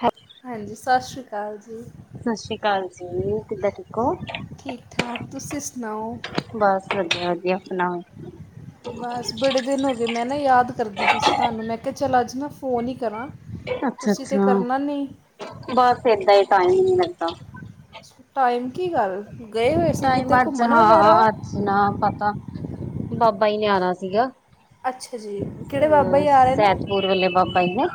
ਹੈ ਹਾਂਜੀ, ਸਤਿ ਸ਼੍ਰੀ ਅਕਾਲ ਜੀ। ਸਤਿ ਸ੍ਰੀ ਅਕਾਲ ਜੀ, ਕਿੱਦਾਂ ਠੀਕ ਹੋ? ਠੀਕ ਠਾਕ, ਤੁਸੀਂ ਸੁਣਾਓ? ਬਸ ਵਧੀਆ, ਵਧੀਆ ਸੁਣਾਓ? ਬਸ ਬੜੇ ਦਿਨ ਹੋ ਗਏ, ਮੈਂ ਨਾ ਯਾਦ ਕਰਦੀ ਪਈ ਸੀ ਤੁਹਾਨੂੰ ਮੈਂ ਕਿਹਾ ਚੱਲ ਅੱਜ ਮੈਂ ਫੋਨ ਹੀ ਕਰਾਂ ਅੱਛਾ, ਤੁਸੀਂ ਤਾਂ ਅੱਛਾ ਕਰਨਾ ਨਹੀਂ ਬਸ ਏਦਾਂ ਹੀ ਟਾਈਮ ਨਈ ਲੱਗਦਾ। ਟਾਈਮ ਕੀ ਗੱਲ? ਗਏ ਹੋਏ ਸੀ ਕਿਤੇ ਟਾਈਮ ਅੱਜ ਘੁੰਮਣ ਵਗੈਰਾ? ਹਾਂ ਅੱਜ ਨਾ ਪਤਾ, ਬਾਬਾ ਹੀ ਨੇ ਆਣਾ ਸੀਗਾ। ਅੱਛਾ ਜੀ, ਕਿਹੜੇ ਬਾਬਾ ਜੀ ਆ ਰਹੇ ਨੇ? ਬੂਰ ਵਾਲੇ ਬਾਬਾ ਜੀ ਨੇ।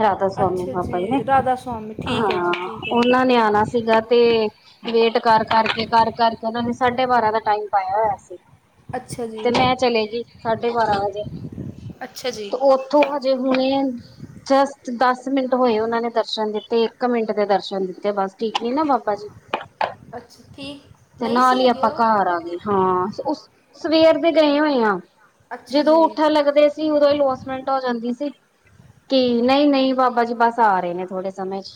ਰਾਧਾ ਸਵਾਮੀ ਅੱਛਾ ਬਾਬਾ ਜੀ ਨੇ, ਰਾਧਾ ਸੁਆਮੀ ਠੀਕ ਹੈ ਜੀ ਹਾਂ ਠੀਕ ਹੈ ਜੀ ਉਹਨਾਂ ਨੇ ਆਣਾ ਸੀਗਾ ਤੇ ਵੇਟ ਕਰ ਕਰਕੇ, ਕਰ ਕਰਕੇ ਉਹ ਨੇ ਸਾਢੇ ਬਾਰਾਂ ਦਾ ਟਾਈਮ ਪਾਇਆ ਹੋਇਆ ਸੀ। ਅੱਛਾ ਜੀ ਤੇ ਮੈਂ ਚਲੇਗੀ ਗਈ ਸਾਢੇ ਬਾਰਾਂ ਵਜੇ। ਅੱਛਾ ਜੀ। ਉੱਥੋਂ ਹਜੇ ਹੁਣੇ ਜਸਟ ਦਸ ਮਿੰਟ ਹੋਏ, ਉਹਨਾਂ ਨੇ ਦਰਸ਼ਨ ਦਿੱਤੇ ਇੱਕ ਮਿੰਟ ਦੇ ਦਰਸ਼ਨ ਦਿੱਤੇ, ਬਸ ਠੀਕ ਨੀ ਨਾ ਬਾਬਾ ਜੀ ਅੱਛਾ ਠੀਕ ਤੇ ਨਹੀਂ ਸੀ ਨਾਲ ਹੀ ਹੈਗੇ ਆਪਾਂ ਉਹ ਘਰ ਆ ਗਏ ਹਾਂ। ਉਸ ਸਵੇਰ ਦੇ ਗਏ ਹੋਏ ਆ। ਅੱਛਾ। ਜਦੋਂ ਜੀ ਉੱਠਣ ਲੱਗਦੇ ਸੀ, ਉਦੋਂ ਇ ਲੋਸਮੈਂਟ ਹੋ ਜਾਂਦੀ ਸੀ। ਕੀ ਨਹੀਂ-ਨਹੀਂ ਬਾਬਾ ਜੀ ਬੱਸ ਆ ਰਹੇ ਨੇ ਥੋੜੇ ਸਮੇਂ ਚ।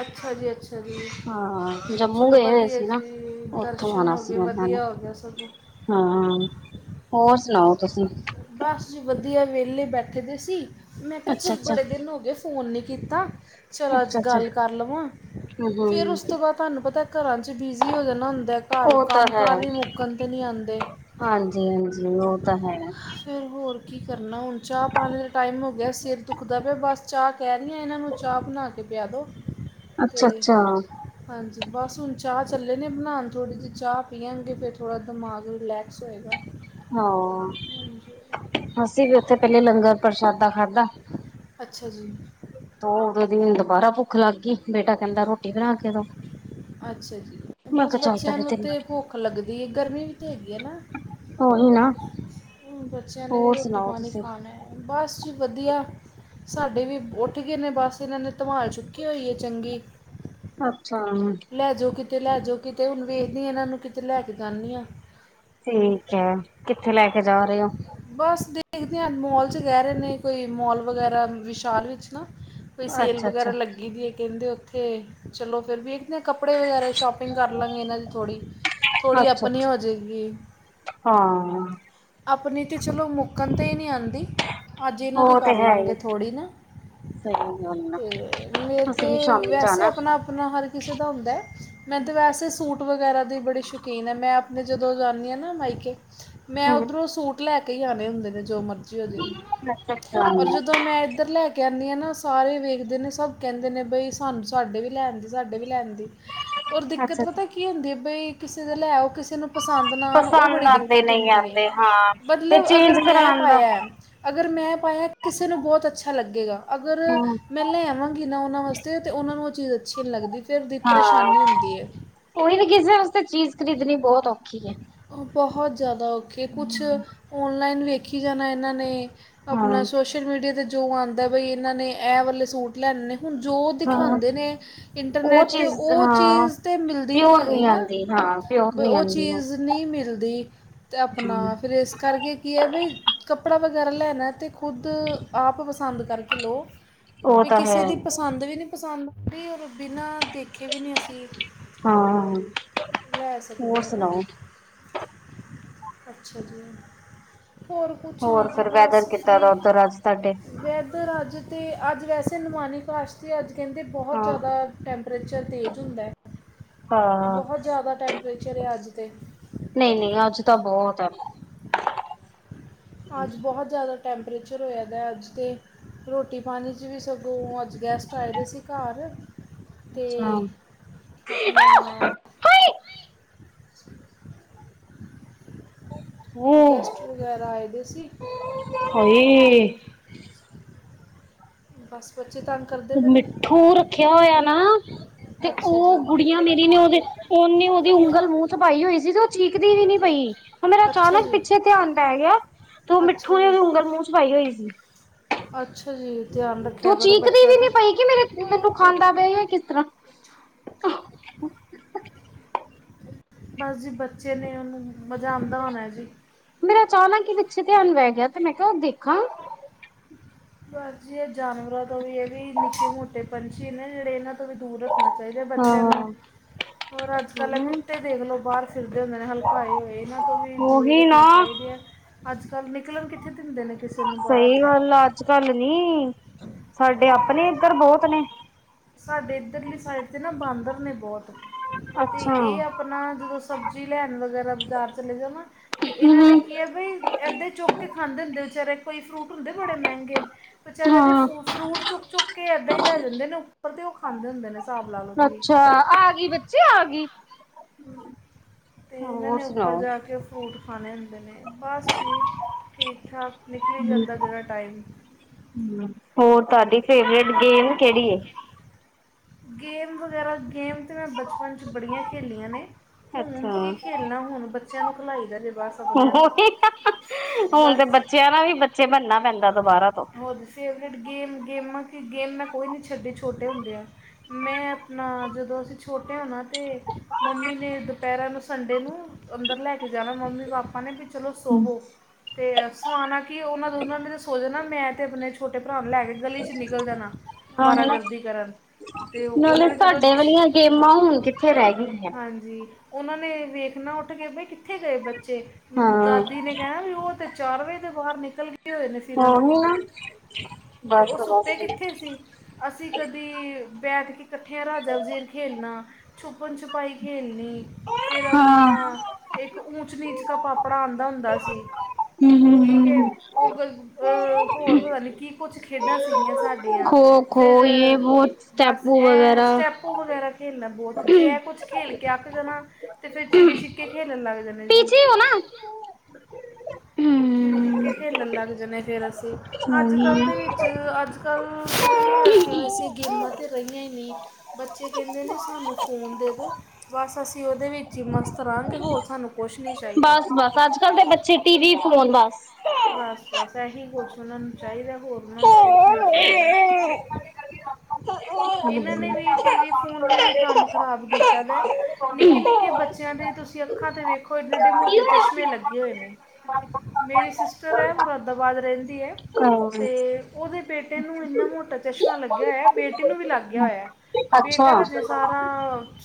ਅੱਛਾ ਜੀ, ਅੱਛਾ ਜੀ। ਹਾਂ ਜੰਮੂ ਚਲੋ, ਗਏ ਹੋਏ ਵਧੀਆ ਸੀ ਨਾ। ਜੀ ਉੱਥੋਂ ਦਰਸ਼ਨ ਆਉਣਾ ਹੋ ਗਏ। ਸੀ ਉਹਨਾਂ ਨੇ ਵਧੀਆ ਹੋ ਗਿਆ ਸਗੋਂ। ਹਾਂ, ਹੋਰ ਸੁਣਾਓ ਤੁਸੀ? ਬਸ ਜੀ ਵਧੀਆ, ਵਿਹਲੇ ਬੈਠੇ ਦੇ ਸੀ ਮੈਂ ਕਿਹਾ ਅੱਛਾ ਚਲ ਅੱਛਾ ਬੜੇ ਦਿਨ ਹੋ ਗਏ ਫ਼ੋਨ ਨਹੀਂ ਕੀਤਾ, ਚਲੋ ਅੱਜ ਅੱਛਾ ਅੱਛਾ ਗੱਲ ਕਰ ਲਵਾਂ ਹਮ ਫਿਰ ਉਸ ਹਮ ਤੋਂ ਬਾਅਦ ਤੁਹਾਨੂੰ ਪਤਾ ਏ ਘਰਾਂ ਚ ਬਿਜ਼ੀ ਹੋ ਜਾਣਾ ਹੁੰਦਾ, ਘਰ ਉਹ ਤਾਂ ਕੰਮ ਹੈ। ਕਾਰ ਹੀ ਮੁੱਕਣ ਤੇ ਨਹੀਂ ਆਉਂਦੇ। ਹਾਂਜੀ, ਹਾਂਜੀ ਉਹ ਤਾਂ ਹੈ। ਫਿਰ ਹੋਰ ਕੀ ਕਰਨਾ ਹੁਣ, ਚਾਹ ਪਾਣੇ ਦਾ ਟਾਈਮ ਹੋ ਗਿਆ ਸਿਰ ਦੁਖਦਾ ਪਿਆ ਬਸ ਚਾਹ ਕਹਿ ਰੀ ਆ ਇਹਨਾਂ ਨੂੰ, ਚਾਹ ਬਣਾ ਕੇ ਪਿਆ ਦਿਉ ਅਤੇ ਅੱਛਾ-ਅੱਛਾ ਹਾਂਜੀ, ਬਸ ਹੁਣ ਚਾਹ ਚੱਲੇ ਨੇ ਬਣਾਉਣ ਥੋੜ੍ਹੀ ਜਿਹੀ ਚਾਹ ਪੀਵਾਂਗੇ ਫਿਰ ਥੋੜ੍ਹਾ ਦਿਮਾਗ ਰਿਲੈਕਸ ਹੋਏਗਾ। ਹਾਂ, ਅਸੀਂ ਵੀ ਉੱਥੇ ਪਹਿਲੇ ਲੰਗਰ ਪ੍ਰਸ਼ਾਦਾ ਖਾਧਾ। ਅੱਛਾ ਜੀ। ਉਦੋਂ ਦੀ ਮੈਨੂੰ ਦੁਬਾਰਾ ਭੁੱਖ ਲੱਗ ਗਈ ਬੇਟਾ ਕਹਿੰਦਾ ਰੋਟੀ ਬਣਾ ਕੇ ਦੋ। ਅੱਛਾ ਜੀ, ਮੈਂ ਬਸ ਕਿਹਾ ਚੱਲ ਬੱਚਿਆਂ ਪਹਿਲੇ ਨੂੰ ਤੇ ਤੈਨੂੰ ਭੁੱਖ ਲੱਗਦੀ ਹੈ, ਗਰਮੀ ਵੀ ਤੇ ਹੈਗੀ ਹੈ ਨਾ। ਓਹੀ ਨਾ। ਹੂੰ, ਬੱਚਿਆਂ ਨੇ ਵੀ ਹੋਰ ਰੋਟੀ ਸੁਣਾਓ ਪਾਣੀ ਤੁਸੀਂ ਖਾਣਾ ਹੈ ਬਸ ਜੀ ਵਧੀਆ। ਸਾਡੇ ਵੀ ਉੱਠ ਗਏ ਨੇ ਬੱਸ ਇਹਨਾਂ ਨੇ ਧਮਾਲ ਚੁੱਕੀ ਹੋਈ ਹੈ ਚੰਗੀ। ਅੱਛਾ। ਲੈਜੋ ਕਿਤੇ, ਲੈਜੋ ਕਿਤੇ, ਹੁਣ ਵੇਖਦੀ ਹਾਂ ਇਹਨਾਂ ਨੂੰ ਕਿਤੇ ਲੈਕੇ ਜਾਂਨੀ ਆਂ। ਠੀਕ ਹੈ, ਕਿੱਥੇ ਲੈਕੇ ਜਾ ਰਹੇ ਹੋ? ਬਸ ਦੇਖਦੇ ਹਾਂ, ਮੌਲ'ਚ ਕਹਿ ਰਹੇ ਨੇ, ਕੋਈ ਮੌਲ ਵਗੈਰਾ ਵਿਸ਼ਾਲ ਵਿੱਚ ਨਾ ਕੋਈ ਸੇਲ ਅੱਛਾ-ਅੱਛਾ ਵਗੈਰਾ ਲੱਗੀਦੀ ਹੈ ਕਹਿੰਦੇ ਉੱਥੇ, ਚਲੋ ਫਿਰ ਵੇਖਦੇ ਆਂ, ਕੱਪੜੇ ਵਗੈਰਾ ਸ਼ੋਪਿੰਗ ਕਰ ਕਰਲਾਂਗੇ ਇਹਨਾਂ ਦੀ ਥੋੜੀ। ਥੋੜੀ, ਅਪਨੀ ਅੱਛਾ-ਅੱਛਾ ਹੋਜੇਗੀ। ਹਾਂ। ਆਪਨੀ ਤੇ ਚਲੋ ਮੁੱਕਣ ਤੇ ਹੀ ਨਹੀਂ ਆਂਦੀ, ਅੱਜ ਇਹਨਾਂ ਦੀ ਉਹ ਤੇ ਹੈ ਕਰਲਾਂਗੇ ਹੀ ਥੋੜੀ ਨਾ। ਸਹੀ ਗੱਲ ਆ ਤੇ, ਮੇਰ ਅਸੀਂ ਵੀ ਤੇ ਸ਼ਾਮੀ ਵੈਸੇ ਜਾਣਾ ਅਪਨਾ-ਅਪਨਾ ਹਰ ਕਿਸੇ ਦਾ ਹੁੰਦਾ। ਮੈਂ ਤਾ ਵੈਸੇ ਸੂਟ ਵਗੈਰਾ ਦੀ ਬੜੀ ਸ਼ਕੀਨ ਐ, ਮੈਂ, ਆਪਣੇ ਜਦੋਂ ਜਾਂਦੀ ਆ ਨਾ ਮਾਈਕੇ ਮੈਂ, ਓ ਹੂੰ ਸੂਟ ਲੈਕੇ ਹੀ ਆਣੇ ਹੁੰਦੇ ਨੇ, ਜੋ ਮਰਜ਼ੀ ਹੋਜੇ। ਅੱਛਾ-ਅੱਛਾ ਔਰ ਜਦੋਂ ਮੈਂ ਇੱਧਰ ਲੈ ਕਹਿੰਨੇ ਆਂ ਨਾ ਸਾਰੇ ਵੇਖਦੇ ਨੇ, ਸਭ ਕਹਿੰਦੇ ਨੇ ਬਈ, ਸਾਨੂੰ ਸਾਡੇ ਵੀ ਲੈ ਆਂਦੀ, ਸਾਡੇ ਵੀ ਲੈ ਆਂਦੀ। ਓਰ ਅੱਛਾ-ਅੱਛਾ ਦਿੱਕਤ ਪਤਾ ਕੀ ਹੁੰਦੀ ਬਈ, ਕਿਸੇ ਦੇ ਲੈ ਆਓ, ਕਿਸੇ ਨੂੰ ਪਸੰਦ ਨਾ ਆਨ ਉਹ ਪਸੰਦ ਬੜੀ ਆਂਦੇ ਦਿੱਕਤ ਨਹੀਂ ਹੁੰਦੀ ਏ, ਆਂਦੇ ਹਾਂ ਫਿਰ ਮਤਲਬ ਚੇਂਜ ਅਗਰ ਮੈਂ ਕਰਾਣ ਦਾ ਪਾਇਆ ਅਗਰ ''ਮੈਂ ਪਾਇਆ ਕਿਸੇ ਨੂੰ ਬਹੁਤ ਅੱਛਾ ਲੱਗੇਗਾ, ਅਗਰ ਹੂੰ 'ਮੈਂ' ਲੈ ਆਵਾਂਗੀ ਨਾ ਉਹਨਾਂ ਵਾਸਤੇ, ਤੇ ਉਹਨਾਂ ਨੂੰ ਉਹ ਚੀਜ਼ ਅੱਛੀ ਨਹੀਂ ਲੱਗਦੀ। ਫਿਰ ਦੀ ਹਾਂ, ਪਰੇਸ਼ਾਨੀ ਹੁੰਦੀ ਹੈ ਉਹੀ ਨ ਕਿਸੇ ਵਾਸਤੇ ਚੀਜ਼ ਖਰੀਦਣੀ ਬਹੁਤ ਔਖੀ ਏ। ਬਹੁਤ ਜ਼ਿਆਦਾ ਅਉਖੀ ਏ, ਕੁਛ ਔਨਲਾਈਨ ਵੇਖੀ ਜਾਣਾ ਇਹਨਾਂ ਨੇ ਅਪਨਾ ਹਾਂ। ਸੋਸ਼ਲ ਮੀਡੀਆ 'ਤੇ ਜੋ ਆਂਦਾ, ਬਈ ਇਹਨਾਂ ਨੇ ਐ ਵਾਲੇ ਸੂਟ ਲੈਨੇ ਹੁਣ ਜੋ ਹਾਂ ਦਿਖਾਂਦੇ ਨੇ ਉਹ ਇੰਟਰਨੈਟ ਤੇ, ਚੀਜ਼ ਉਹ ਹਾਂ ਚੀਜ਼ ਤਾ ਮਿਲਦੀ ਨੀ ਪਿਓਰ ਹੈਗੀ ਨਹੀਂ ਨਾ। ਆਉਂਦੀ ਹਾਂ ਪਿਓਰ ਬ, ਨਹੀਂ ਉਹ ਆਉਂਦੀ ਚੀਜ਼ ਨਹੀਂ ਮਿਲਦੀ, ਤੇ ਹਮ ਆਪਨਾ, ਫਿਰ ਇਸ ਕਰਕੇ ਕੀ ਐ ਵੀ, ਕੱਪੜਾ ਵਗੈਰਾ ਲੈਣਾ ਤੇ, ਖੁਦ, ਆਪ ਪਸੰਦ ਕਰਕੇ ਲਓ। ਉਹ ਵੀ ਤਾਂ ਹੈ। ਕਿਸੇ ਦੀ ਪਸੰਦ ਵੀ ਨੀ ਪਸੰਦ ਆਂਦੀ, ਔਰ ਬਿਨਾਂ ਦੇਖੇ ਵੀ ਨੀ ਅਸੀਂ ਹਾਂ-ਹਾਂ, ਲੈ ਸਕਦੇ ਹੋਰ ਹੈ ਨਾ ਸੁਣਾਓ? ਅੱਛਾ ਜੀ, ਹੋਰ ਕੁਛ ਨਹੀਂ ਹੋਰ ਜੀ, ਫਿਰ ਵੈਦਰ ਬਸ ਕਿੱਦਾਂ ਫ੍ਰੀ। ਦਾ ਉੱਧਰ ਅੱਜ ਤੁਹਾਡੇ? ਵੈ ਦਰ ਅੱਜ ਤੇ, ਅੱਜ ਵੈਸੇ ਨੁਮਾਨੀਕਾਸ਼ ਤੇ, ਅੱਜ ਕਹਿੰਦੇ ਬਹੁਤ ਹਾਂ ਜ਼ਿਆਦਾ ਟੈਂਪ ਟੈਂਪਰੇਚਰ ਤੇਜ਼ ਹੁੰਦਾ, ਹਾਂ। ਬਹੁਤ ਜ਼ਿਆਦਾ ਟੈਂਪਰੇਚਰ ਏ, ਅੱਜ ਤੇ। ਨਹੀਂ-ਨਹੀਂ, ਅੱਜ ਤਾ ਬਹੁਤ ਐ। ਅੱਜ ਬਹੁਤ ਜ਼ਿਆਦਾ ਟੈਂਪਰੇਚਰ ਹੋਇਆਦਾ, ਅੱਜ ਤੇ ਰ੍ਹੋਟੀ-ਪਾਣੀ'ਚ ਵੀ ਸਗੋਂ, ਅੱਜ ਗੈਸਟ ਆਏਦੇ ਸੀ ਘਰ ਤੇ ਅੱਛਾ। ਅਪਨਾ ਗੈਸਟ ਉਹ ਵਗੈਰਾ ਆਏਦੇ ਸੀ, ਤੇ ਹਾਏ। ਬਸ, ਬੱਚੇ ਤੰ ਮਿੱਠੂ! ਰੱਖਿਆ ਹੋਇਆ ਨਾ। ਤੇ ਅੱਛਾ ਜੀ ਉਹ ਗੁੜੀਆਂ ਮੇਰੀ ਨੇ ਉਹਦੇ, ਉਹਨੇ ਉਹਦੀ ਉਂਗਲ ਮੂੰਹ'ਚ ਪਾਈ ਹੋਈ ਸੀ, ਤੇ ਉਹ ਚੀਕਦੀ ਵੀ ਨੀ ਪਈ। ਉਹ ਮੇਰਾ ਅੱਛਾ ਅਚਾਨਕ ਜੀ ਪਿੱਛੇ ਧਿਆਨ ਪੈਗਿਆ, ਤੇ ਉਹ ਅੱਛਾ ਮਿੱਠੂ ਨੇ ਜੀ ਉਹਦੀ ਉਂਗਲ ਮੂੰਹ'ਚ ਪਾਈ ਹੋਈ ਸੀ। ਤੇ ਅੱਛਾ ਜੀ! ਧਿਆਨ ਉਹ ਰੱਖਿਆ ਕਰੋ, ਚੀਕਦੀ ਬੱਚਿਆ ਵੀ ਦਾ। ਨੀ ਪਈ ਕਿ ਮੇਰੇ ਮੈਨੂੰ ਖਾਂਦਾ ਪਿਆ ਈ, ਏ ਕਿਸ ਤਰ੍ਹਾਂ ਬਸ ਜੀ ਬੱਚੇ ਨੇ ਉਹਨੂੰ, ਮਜ਼ਾ ਆਂਦਾ ਹੋਣਾ ਜੀ। ਮੇਰਾ ਅਚਾਨਕ ਈ ਪਿੱਛੇ ਧਿਆਨ ਪੈਗਿਆ, ਤੇ ਮੈਂ ਕਿਹਾ ਓ ਦੇਖਾਂ। ਬਸ ਜੀ, ਇਹ ਜਾਨਵਰਾਂ ਤੋਂ ਵੀ ਇਹ ਵੀ, ਨਿੱਕੇ-ਮ੍ਹੋਟੇ ਪੰਛੀ ਨੇ ਜਿਹੜੇ ਇਹਨਾਂ ਤੋਂ ਵੀ ਦੂਰ ਰੱਖਣਾ ਚਾਹੀਦਾ, ਬੱਚਿਆ ਹਾਂ ਨੂੰ। ਹੋਰ, ਅੱਜ-ਕੱਲ ਇਹ ਹਮ, ਕੁੱਤੇ ਦੇਖਲੋ, ਬਾਹਰ ਫਿਰਦੇ ਹੁੰਦੇ ਨੇ। ਹਲਕਾਏ ਹੋਏ, ਇਹਨਾਂ ਤੋਂ ਵੀ ਦੂਰੀ ਉਹੀ ਨਾ ਰਖਣੀ ਚਾਹੀਦੀ ਆ, ਅੱਜ-ਕੱਲ ਨਿਕਲਣ ਕਿੱਥੇ ਦਿੰਦੇ ਨੇ ਕਿਸੇ ਨੂੰ ਬਾਹਰ। ਸਹੀ ਗੱਲ ਆ, ਅੱਜ-ਕੱਲ ਨਹੀ, ਸਾਡੇ ਆਪਣੇ ਇੱਧਰ ਬਹੁਤ ਨੇ। ਸਾਡੇ ਇੱਧਰਲੀ ਸਾਈਡ 'ਤੇ ਨਾ ਬਾਂਦਰ ਨੇ ਬਹੁਤ, ਤੇ ਅੱਛਾ ਇਹ ਆਪ ਅਪਨਾ ਜਦੋਂ ਸਬਜ਼ੀ ਲੈਣ ਵਗੈਰਾ ਬਜ਼ਾਰ ਚਲ ਜਾਓ ਨਾ, ਤਾਂ ਇਹਨਾਂ ਨੇ ਹੂੰ ਕੀ ਹੈ ਬਈ ਇਹਦਾਂ ਈ ਚੁੱਕਕੇ ਖਾਂਦੇ ਹੁੰਦੇ ਨੇ, ਵਿਚਾਰੇ ਕੋਈ ਫਰੂਟ ਹੁੰਦੇ ਬੜੇ ਮਹਿੰਗੇ। ਵਿਚਾਰਿਆਂ ਦੇ ਹਾਂ ਫ, ਫਰੂਟ ਚੁੱਕ-ਚੁੱਕ ਕੇ ਏਦਾਂ ਹੀ ਲੈ ਜਾਂਦੇ ਨੇ ਉੱਪਰ, ਤੇ ਉਹ ਖਾਂਦੇ ਹੁੰਦੇ ਨੇ। ਹਿਸਾਬ ਲਾ ਲਓ ਤੁਸੀਂ ਅੱਛਾ! ਆਗੀ ਬੱਚੇ ਆਗੀ। ਤੇ ਇਹਨਾਂ ਨੇ ਉੱਪਰ ਜਾ ਕੇ ਫਰੂਟ ਖਾਣੇ ਹੁੰਦੇ ਨੇ ਬਸ ਜੀ। ਠੀਕ ਠਾਕ ਨਿਕਲੀ ਜਾਂਦਾ ਜਿਹੜਾ ਟਾਈਮ। ਹੋਰ ਤੁਹਾਡੀ ਫੇਵਰੇਟ ਗੇਮ ਕਿਹੜੀ ਏ। ਗੇਮ ਵਗੈਰਾ ਗੇਮ ਤੇ ਮੈਂ ਬਚਪਨ ਚ ਬੜੀਆ ਖੋਲਿਆ ਨੇ ਹੁਣ ਅੱਛਾ ਕੀ ਖੇਡ ਨਾ ਹੁਣ ਬੱਚਿਆਂ ਨੂੰ ਖਿਲਾਈ ਦਾ ਜੇ ਬਸ। ਆਪਣਿਆਂ ਨੂੰ ਹੁਣ ਤੇ ਬਸ ਬੱਚਿਆਂ ਨਾਲ ਵੀ ਬੱਚੇ ਬਣਨਾ ਪੈਂਦਾ ਦੁਬਾਰਾ ਤੋਂ। ਹੋਰ ਫੇਵਰੇਟ ਗੇਮ ਗੇਮਾਂ ਕਿ ਗੇਮ ਮੈਂ ਕੋਈ ਨਹੀਂ ਛੱਡੀ ਛੋਟੇ ਹੁੰਦਿਆ। ਮੈਂ ਆਪਣਾ ਜਦੋਂ ਅਸੀਂ ਛੋਟੇ ਹਣਾ ਤਾਂ ਮੰਮੀ ਨੇ ਦੁਪਹਿਰਾਂ ਨੂੰ ਸੰਡੇ ਨੂੰ ਅੰਦਰ ਲੈ ਕੇ ਜਾਣਾ ਮੰਮੀ ਪਾਪਾ ਨੇ ਵੀ ਚਲੋ ਸੋਵੋ। ਅਤੇ ਸਮਉਣਾ ਕਿ ਉਹਨਾਂ ਦੋਨਾ ਨੇ ਤੇ ਸੋ ਜਾਣਾ ਮੈਂ ਤੇ ਆਪਣੇ ਛੋਟੇ ਭਰਾ ਨੂੰ ਲੈ ਕੇ ਗਲੀ ਚ ਨਿਕਲ ਜਾਣਾ। ਹਣ ਮ ਅਵਾਰਾਗਰਦੀ ਕਰਨ ਅਤੇ ਉਹਨਾਂ ਨਾਲੇ ਨੇ ਜਦੋਂ ਸਾਡੇ ਵਾਲੀਆ ਗੇਮਾ ਹੁਣ ਕਿੱਥੇ ਰਹਿ ਗਈਆ। ਹਾਂਜੀ ਉਹਨਾਂ ਨੇ ਵੇਖਣਾ ਉੱਠ ਕੇ ਬਈ ਕਿੱਥੇ ਗਏ ਬੱਚੇ ਹਾਂ ਦਾਦੀ ਨੇ ਕਹਿਣਾ ਵੀ ਉਹ ਤੇ ਚਾਰ ਵਜੇ ਦੇ ਬਾਰ ਨਿਕਲ ਗਏ ਹੋਏ ਨੇ। ਫਿਰਨ ਹੋਰ ਨਹੀ ਨਾ ਤੇ ਉਹ ਬਸ-ਬਸ। ਸੁੱਤੇ ਕਿੱਥੇ ਸੀ ਅਸੀਂ ਕਦੀ ਬੈਠ ਕੇ ਕੱਠੀਆਂ ਰਾਜਾ ਵਜ਼ੀਰ ਖੇਲਣਾ। ਛੁਪਨ-ਛੁਪਾਈ ਖੇਡਣੀ। ਫਿਰ ਆਪਣਾ ਹਾਂ ਇੱਕ ਊਚ ਨੀਚ ਕਾ ਪਾਪੜਾ ਆਂਦਾ ਹੁੰਦਾ ਸੀ ਹੂੰ ਠੀਕ ਹੂੰ ਏ ਹੂੰ ਉਹ ਗ ਅਹ ਹੋਰ ਪਤਾ ਨੀ ਕੀ ਕੁੱਛ ਖੇਡਾਂ ਸੀਗੀਆ। ਖੋ-ਖੋ ਯੇ ਵੋ ਸਟੈਪੂੜ ਵਗੈਰਾ। ਪੂਹ ਵਗੈਰਾ ਖੇਲਨਾ। ਬਹੁਤ ਜੇ ਕੁਝ ਖੇਲ ਕੇ ਅਕ ਜਾਨਾ ਤੇ ਫੇਰ ਚਿੜੀ ਛਿੱਕੇ ਖੇਲਣ ਲੱਗ ਜਾਣੇ ਜੀ। ਪੀਛੇ ਹੋ ਨਾ ਚਿੜੀ ਛਿੱਕੇ ਖੇਲਣ ਲੱਗ ਜਾਂਦੇ ਫਿਰ ਅਸੀਂ ਅੱਜ ਕੱਲ੍ਹ ਦੇ ਵਿੱਚ ਅੱਜ ਕੱਲ੍ਹ ਕੋਈ ਵੀ ਅੱਸੀ ਮਿਸ ਤੇ ਗੇਮਾ ਤੇ ਰਹੀਆ ਹੀ ਨੀ। ਬੱਚੇ ਕਹਿੰਦੇ ਨੇ ਸਾਨੂੰ ਫ਼ੋਨ ਦੇ ਦਿਉ ਬਸ ਅਸੀਂ ਉਹਦੇ ਵਿੱ ਚ ਹੀ ਮਸਤ ਰਹਾਂਗੇ ਹੋਰ ਸਾਨੂੰ ਕੁਛ ਨਹੀਂ ਚਾਹੀਦਾ। ਅੱਜ ਕੱਲ ਦੇ ਬੱਚੇ ਟੀ ਵੀ ਫੋਨ ਬਸ। ਬਸ-ਬਸ ਇਹੀ ਕੁਛ ਉਹਨਾ ਨੂੰ ਚਾਹੀਦਾ ਹੋ ਉਹਨਾਂ ਨੂੰ ਕੁਛ ਨੀ ਚਾਹੀਦਾ। ਇਹਨਾਂ ਨੇ ਵੀ ਟੀ ਵੀ ਫੋਨ ਨੇ ਵੀ ਕੰਮ ਖ਼ਰਾਬ ਕੀਤਾ ਦੇ। ਨਿੱਕੇ-ਨਿੱਕੇ ਬੱਚਿਆਂ ਦੇ ਤੁਸੀਂ ਅੱਖਾਂ ਤੇ ਵੇਖੋ ਐਡੇ-ਐਡੇ ਮੋਟੇ ਚਸ਼ਮੇ ਲੱਗੇ ਹੋਏ ਨੇ। ਮੇਰੀ ਸਿਸਟਰ ਹੈ ਮੁਰਾਦਾਬਾਦ ਰਹਿੰਦੀ ਹੈ ਤੇ ਉਹਦੇ ਬੇਟੇ ਨੂੰ ਇੰਨਾ ਮੋਟਾ ਚਸ਼ਮਾ ਲੱਗਿਆ ਹੋਇਆ ਬੇਟੀ ਨੂੰ ਵੀ ਲੱਗ ਗਿਆ ਹੋਇਆ ਅੱਛਾ। ਬੇਟਾ ਹਜੇ ਸਾਰਾ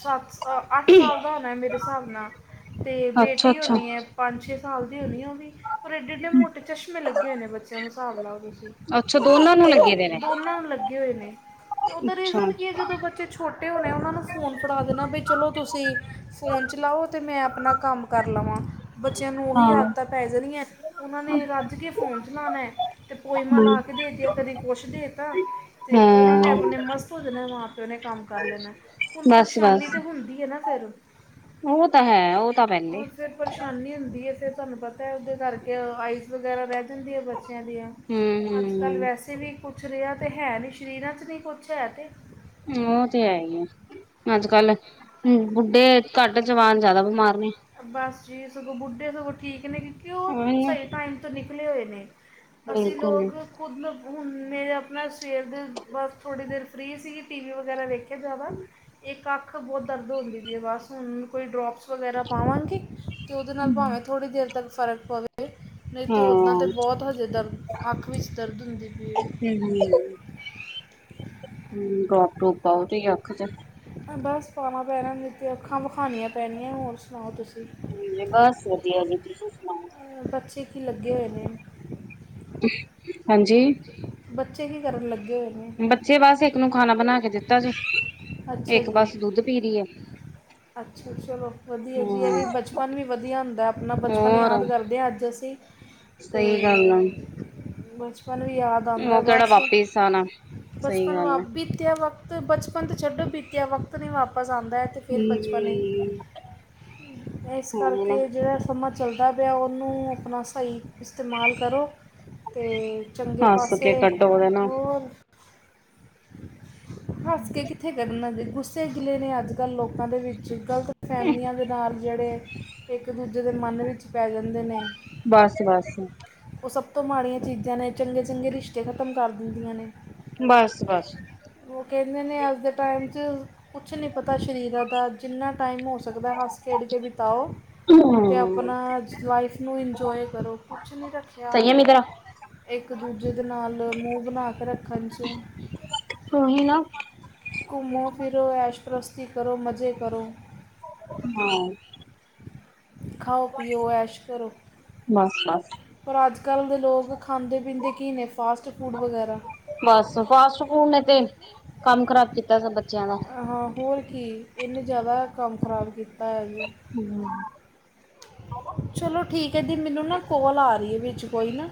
ਸੱਤ, ਅੱਠ ਸਾਲ ਦਾ ਹੋਣਾ ਮੇਰੇ ਸਾਬ ਨਾਲ। ਤੇ ਬੇਟੀ ਅੱਛਾ-ਅੱਛਾ। ਹੋਣੀ ਹੈ ਪੰਜ, ਛੇ ਸਾਲ ਦੀ ਹੋਣੀ ਉਹ ਵੀ ਪਰ ਏਡੇ-ਏਡੇ ਮੋਟੇ ਚਸ਼ਮੇ ਲੱਗੇ ਹੋਣੇ ਨੇ ਬੱਚਿਆਂ ਨੂੰ ਹਿਸਾਬ ਲਾ ਲੋ ਤੁਸੀ। ਅੱਛਾ ਦੋਨਾਂ ਨੂੰ ਲੱਗੇ ਦੇ ਨੇ। ਦੋਨਾਂ ਲੱਗੇ ਹੋਏ ਨੇ ਤੇ ਦਾ ਅੱਛਾ ਰੀਜ਼ਨ ਕੀ ਹੈ ਜ ਜਦੋਂ ਬੱਚੇ ਛੋਟੇ ਹੋਣੇ ਉਹਨਾਂ ਨੂੰ ਫੋਨ ਫੜਾ ਦੇਣਾ ਬ ਚਲੋ ਤੁਸੀ ਫ਼ੋਨ ਚਲਾਓ ਤੇ ਮੈਂ ਆਪਣਾ ਕੰਮ ਕਰ ਲਵਾ। ਬੱਚਿਆਂ ਨੂੰ ਉਹੀ ਹਾਂ ਆਦਤਾਂ ਪੈ ਜਾਣੀਆਂ ਉਹਨਾਂ ਨੇ ਰੱਜ ਕੇ ਫ਼ੋਨ ਚਲਾਣਾ। ਤੇ ਪੋਈਮਾਂ ਹੂੰ ਲਾ ਕੇ ਦੇ ਤਿਆ ਕਦੇ ਕੁਛ ਦੇ ਤਾ ਤੇ ਉਹਨਾਂ ਨੇ ਹਾਂ ਆਪਣੇ ਮਸਤ ਹੋ ਜਾਣਾ ਮਾਂ ਪਿਓ ਨੇ ਕੰਮ ਕਰ ਲੈਣਾ। ਹੁਣ ਬਸ ਪਰੇਸ਼ਾਨੀ ਬਸ ਤਾਂ ਹੁੰਦੀ ਹੈ ਨਾ ਫਿਰ। ਉਹ ਤਾਂ ਹੈ ਉਹ ਤਾਂ ਪਹਿਲੇ। ਔਰ ਫਿਰ ਪਰੇਸ਼ਾਨੀ ਹੁੰਦੀ ਹੈ ਫਿਰ ਤੁਹਾਨੂੰ ਪਤਾ ਹੈ ਉਹਦੇ ਕਰਕੇ ਆਈਸ ਵਗੈਰਾ ਰਹਿ ਬੱਚਿਆਂ ਦੀਆ ਹੂੰ ਅੱਜ ਕੱਲ ਵੈਸੇ ਵੀ ਕੁਛ ਰਿਆ ਤੇ ਹੈ ਨੀ। ਸਰੀਰਾਂ ਚ ਨਹੀ ਕੁਛ ਹੈ ਤੇ। ਉਹ ਤੇ ਹੈ ਹੀ ਹੈ। ਅੱਜ ਕੱਲ ਹੂੰ ਬੁੱਢੇ ਘੱਟ ਜਵਾਨ ਜਾਦਾ ਬਿਮਾਰ ਨੇ। ਬਸ ਜੀ ਸਗੋਂ ਬੁੱਢੇ ਸਗੋਂ ਠੀਕ ਨੇ ਕਿਉਂ ਉਹ ਸਹੀ ਟਾਈਮ ਤੋਂ ਨਿਕਲੇ ਹੋਏ ਨੇ। ਅਸੀਂ ਬਿਲਕੁਲ ਲੋਕ। ਖੁਦ ਮੈਂ ਹੁਣ ਮੇਰੇ ਆਪਣਾ ਸਵੇਰ ਦੇ ਬਸ ਥੋੜ੍ਹੀ ਦੇਰ ਫਰੀ ਸੀਗੀ ਟੀ ਵੀ ਵਗੈਰਾ ਦੇੇਖਿਆ ਜ਼ਿਆਦਾ। ਇਕ ਅਖ ਬਹੁਤ ਦਰਦ ਹੋੁੰਦੀ। ਬਸ ਹੁਣ ਕੋਈ ਡਰੋਪਸ ਵਗੈਰਾ ਪਾਵਾਂਗੇ ਤੇ ਉਹਦੇ ਨਾਲ ਭਾਵੇਂ ਥੋੜ੍ਹੀ ਦੇਰ ਤੱਕ ਫਰਕ ਪਵੇ। ਨਹੀਂ ਤਾਂ ਹਾਂ ਉੱਦਾਂ ਤਾਂ ਬਹੁਤ ਹਜੇ ਦਰਦ ਅੱਖ ਵਿੱਚ ਦਰਦ ਹੁੰਦੀ ਪਈ ਹੈ। ਹਮ। ਹਮ ਡੋਪ ਟੋਪ ਪਾਓ ਤੁਸੀ ਅਖ ਚੇ। ਬਸ ਪਾਉਣਾ ਪੈਣਾ ਨਹੀਂ ਤੇ ਅੱਖਾਂ ਵਿਖਾਣੀਆਂ ਪੈਣੀਆਂ ਹੋਰ ਸੁਣਾਓ ਤੁਸੀਂ। ਜੀ ਬਸ ਵਧੀਆ ਜੀ ਤੁਸੀਂ ਸੁਣਾਓ। ਅਹ ਬੱਚੇ ਕੀ ਲੱਗੇ ਹੋਏ ਨੇ। ਹਾਂਜੀ। ਬੱਚੇ ਕੀ ਕਰਨ ਲੱਗੇ ਹੋਏ ਨੇ? ਬੱਚੇ ਬਸ ਇੱਕ ਨੂੰ ਖਾਣਾ ਬਣਾ ਕੇ ਦਿੱਤਾ ਜੇ ਅੱਛਾ ਇੱਕ ਜੀ ਬਸ ਦੁੱਧ ਪੀ ਰਹੀ ਆ। ਅੱਛਾ ਚਲੋ ਵਧੀਆ ਜੀ ਹੈ ਵੀ ਬਚਪਨ ਵੀ ਵਧੀਆ ਹੁੰਦਾ ਆਪਣਾ ਬਚਪਨ ਹੋਰ ਯਾਦ ਕਰਦੇ ਹਾਂ ਅੱਜ ਅਸੀਂ। ਸਹੀ ਗੱਲ ਆ। ਅਤੇ ਬਚਪਨ ਵੀ ਯਾਦ ਆਉਂਦਾ ਉਹ ਕਿਹੜਾ ਬਸ ਵਾਪਿਸ ਆਣਾ ਸਹੀ ਬਚਪਨ ਗੱਲ ਆਪ ਆ। ਬੀਤਿਆ ਵਾਂ ਬਚਪਨ ਤੋਂ ਛੱਡੋ ਬੀਤਿਆ ਵਕਤ ਨਹੀਂ ਵਾਪਸ ਆਉਂਦਾ ਹੈ। ਫਿਰ ਬਚਪਨ ਹੈ ਇਸ ਹੂੰ ਉਹੀ ਨਾ ਕਰਕੇ ਜਿਹੜਾ ਸਮਾਂ ਚੱਲਦਾ ਪਿਆ ਉਹਨੂੰ ਆਪਣਾ ਸਹੀ ਇਸਤੇਮਾਲ ਕਰੋ ਤੇ। ਚੰਗੇ ਹੱਸ ਪਾਸੇ ਕੇ ਕੱਢੋ ਉਹਦੇ ਨਾਲ ਹੋਰ। ਹੱਸ ਕੇ ਕਿੱਥੇ ਕਡਨਾ ਜ ਗੁੱਸੇ ਗਿਲੇ ਨੇ ਅੱਜ ਕੱਲ੍ਹ ਲੋਕਾਂ ਦੇ ਵਿੱਚ। ਗਲਤ ਫਹਿਮੀਆਂ ਦੇ ਨਾਲ ਜਿਹੜੇ ਇੱਕ ਦੂਜੇ ਦੇ ਮਨ ਵਿੱਚ ਪੈ ਜਾਂਦੇ ਨੇ। ਬਸ ਬਸ। ਉਹ ਸਭ ਤੋਂ ਮਾੜੀਆਂ ਚੀਜ਼ਾਂ ਨੇ ਚੰਗੇ ਚੰਗੇ ਰਿਸ਼ਤੇ ਖ਼ਤਮ ਕਰ ਦਿੰਦੀਆਂ ਨੇ ਬਸ ਬਸ। ਉਹ ਕਹਿੰਦੇ ਨੇ ਅੱਜ ਦੇ ਟਾਈਮ 'ਚ ਕੁਛ ਨਹੀਂ ਪਤਾ ਸਰੀਰਾ ਦਾ ਜਿੰਨਾ ਟਾਈਮ ਹੋ ਸਕਦਾ ਹੈ ਹਸ ਖੇਡ ਕੇ ਬਿਤਾਓ। ਹਾਂ। ਅਤੇ ਆਪਣਾ ਲਾਈਫ ਨੂੰ ਇੰਜੋਏ ਕਰੋ ਕੁਛ ਨਹੀਂ ਰੱਖਿਆ। ਸਹੀ ਹੈ ਮੇਰੀ ਤਰ੍ਹਾਂ ਇੱਕ ਦੂਜੇ ਦੇ ਨਾਲ ਮੂੰਹ ਬਣਾ ਕੇ ਰੱਖਣ 'ਚ ਹੋਹੀ ਨਾ। ਘੁੰਮੋ ਫਿਰੋ ਐਸ਼ ਪਰਸਤੀ ਕਰੋ ਮਜ਼ੇ ਕਰੋ। ਹਾਂ। ਖਾਓ ਪੀਓ ਐਸ਼ ਕਰੋ। ਬੱਸ ਬੱਸ। ਪਰ ਅੱਜ ਕੱਲ੍ਹ ਦੇ ਲੋਕ ਖਾਂਦੇ ਪੀਂਦੇ ਕੀ ਨੇ ਫਾਸਟ ਫੂਡ ਵਗੈਰਾ। ਬਸ ਫਾਸਟ ਫੂਡ ਨੇ ਤੇ ਕੰਮ ਖ਼ਰਾਬ ਕੀਤਾ ਸਭ ਬੱਚਿਆਂ ਦਾ ਹਾਂ ਹੋਰ ਕੀ ਇਹਨੇ ਜ਼ਿਆਦਾ ਕੰਮ ਖਰਾਬ ਕੀਤਾ ਹੈ ਜੇ। ਹੂੰ। ਚਲੋ ਠੀਕ ਹੈ ਦੀ ਮੈਨੂੰ ਨਾ ਕੋਲ ਆ ਰਹੀ ਹੈ ਵਿੱਚ। ਕੋਈ ਨਾ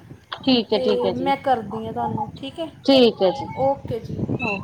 ਠੀਕ ਹੈ ਤੇ ਠੀਕ ਹੈ ਜੀ ਮੈਂ ਕਰਦੀ ਹਾਂ ਤੁਹਾਨੂੰ ਠੀਕ ਹੈ ਓਕੇ ਜੀ। ਆਹੋ।